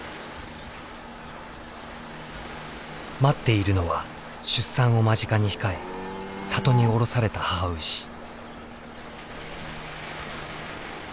待っているのは出産を間近に控え里に下ろされた母牛。